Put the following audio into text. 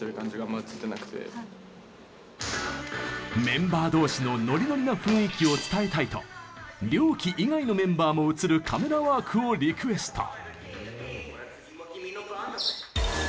メンバー同士のノリノリな雰囲気を伝えたいとＲＹＯＫＩ以外のメンバーも映るカメラワークをリクエスト。